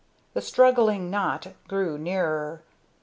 The struggling knot drew nearer.